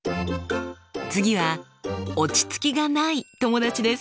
次は落ち着きがない友達です。